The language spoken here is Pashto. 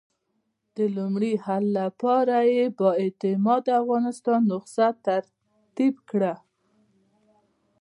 د لومړني حل لپاره یې د با اعتماده افغانستان نسخه ترتیب کړه.